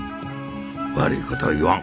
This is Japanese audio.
悪いことは言わん。